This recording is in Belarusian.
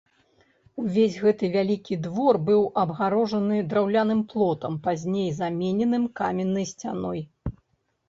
Увесь гэты вялікі двор быў абгароджаны драўляным плотам, пазней замененым каменнай сцяной.